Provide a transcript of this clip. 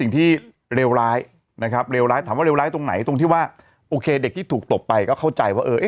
ตรงไหนตรงที่ว่าโอเคเด็กที่ถูกตบไปก็เข้าใจว่า